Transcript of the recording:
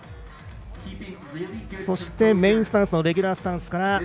そしてメインスタンスのレギュラースタンスから。